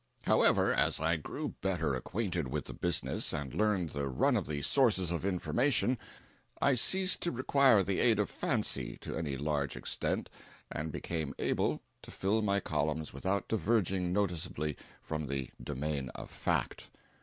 However, as I grew better acquainted with the business and learned the run of the sources of information I ceased to require the aid of fancy to any large extent, and became able to fill my columns without diverging noticeably from the domain of fact.